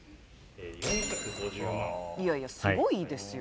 いやいやすごいですよ。